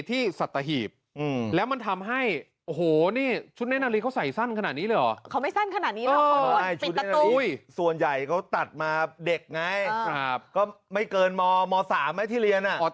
ตัดมาเด็กไงก็ไม่เกินม๓ที่เรียน